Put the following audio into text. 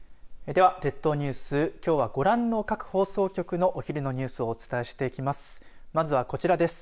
では列島ニュースきょうはご覧の各放送局のお昼のニュースをお伝えしていきます。